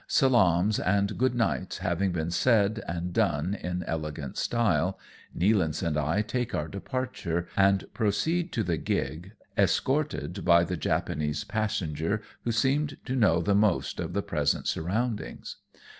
Salaams and good nights having been said and done in elegant style, Nealance and I take our departure, and proceed to the gig, escorted by the Japanese JVE SAIL FOR NAGASAKI. 139 passenger, who seemed to know the most of the present surroundings.